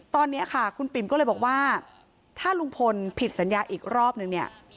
ตอนนี้ค่ะคุณปิ่มก็เลยบอกว่าถ้าลุงพลผิดสัญญาอีกรอบนึงเนี่ย